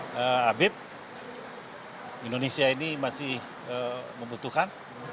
dan abib indonesia ini masih membutuhkan